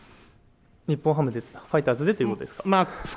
日本ハムで、ファイターズでということですか。